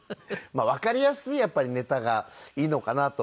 わかりやすいやっぱりネタがいいのかなと思って。